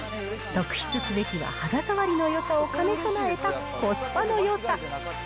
特筆すべきは、肌触りのよさを兼ね備えたコスパのよさ。